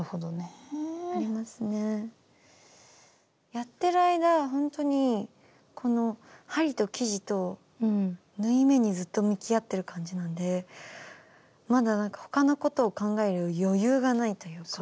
やってる間ほんとにこの針と生地と縫い目にずっと向き合ってる感じなんでまだなんか他のことを考える余裕がないというか。